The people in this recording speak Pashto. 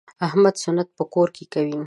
احمد سنت په کور کې کوي.